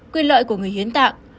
quyền lợi của người hiến tạng